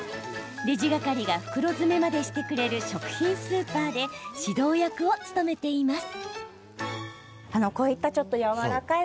レジ係が袋詰めまでしてくれる食品スーパーで指導役を務めています。